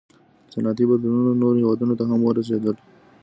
• صنعتي بدلونونه نورو هېوادونو ته هم ورسېدل.